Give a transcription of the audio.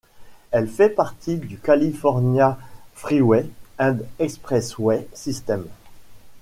Elle fait partie du California Freeway and Expressway System.